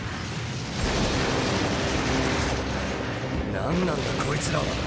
何なんだこいつらは。